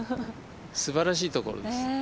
すばらしいところです。